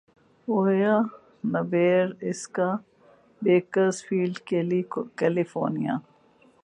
اوہہا Nebraska Bakersfield California